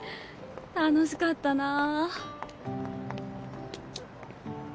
楽しかったなぁ。